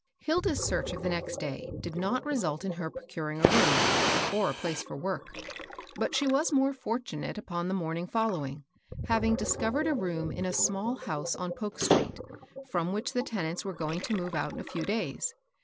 I ILDA'S search of the next day did not r^ suit in her procuring a room, or a place for work ; but she was more fortunate upon the ^ morning following, having discovered a i^ room in a small house on Polk street, from which the tenants were going to move out in a few days.